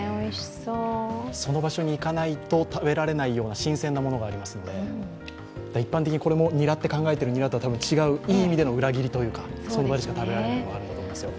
その場所にいかないと食べられないような新鮮なものがありますので一般的にこれもにらと考えているにらとは違ういい意味での裏切りというか、その場でしか食べられるものがあると思いますよ。